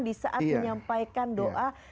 disaat menyampaikan doa